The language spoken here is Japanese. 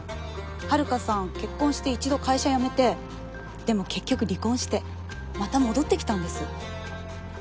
遥さん結婚して一度会社辞めてでも結局離婚してまた戻って来たんです。